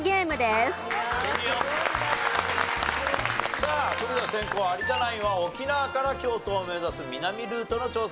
さあそれでは先攻有田ナインは沖縄から京都を目指す南ルートの挑戦でございます。